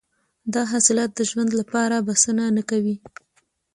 دا حاصلات د ژوند لپاره بسنه نه کوله.